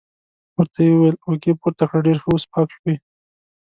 ورته یې وویل: اوږې پورته کړه، ډېر ښه، اوس پاک شوې.